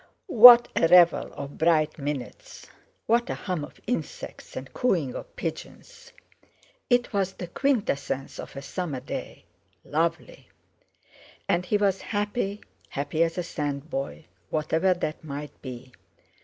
What a revel of bright minutes! What a hum of insects, and cooing of pigeons! It was the quintessence of a summer day. Lovely! And he was happy—happy as a sand boy, whatever that might be.